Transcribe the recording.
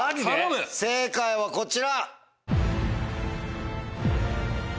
正解はこちら。